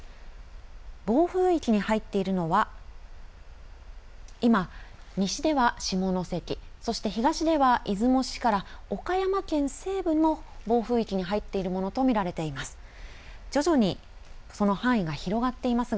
暴風域に入っているのは今、西では下関、そして東では出雲市から岡山県西部も暴風域に入っているものと見られています。